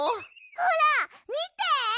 ほらみて！